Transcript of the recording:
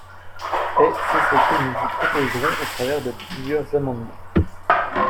Et c’est ce que nous vous proposerons au travers de plusieurs amendements.